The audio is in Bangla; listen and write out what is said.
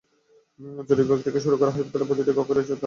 জরুরি বিভাগ থেকে শুরু করে হাসপাতালের প্রতিটি কক্ষে রয়েছে তাঁদের পদচারণ।